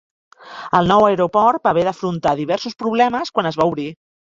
El nou aeroport va haver d'afrontar diversos problemes quan es va obrir.